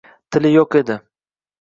Tili yo’q edi